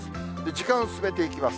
時間進めていきます。